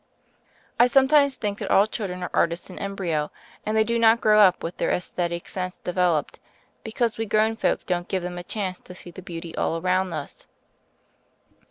I sometimes think that all children are artists in embryo, and they do not grow up with their aesthetic sense developed, because we grown folks don't give them a chance to see the beauty all around us.